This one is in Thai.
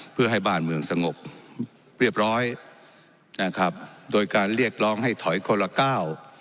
เพื่อให้บ้านเมืองสงบเรียบร้อยนะครับโดยการเรียกร้องให้ถอยคนละก้าว